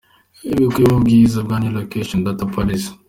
Ibi bikubiye mu ibwiriza rya new location data policy.